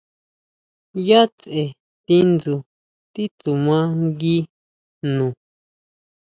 ¿ʼYá tseʼe tindsu titsuma ngui jno?